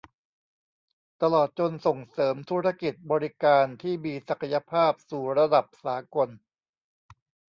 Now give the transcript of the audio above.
ตลอดจนส่งเสริมธุรกิจบริการที่มีศักยภาพสู่ระดับสากล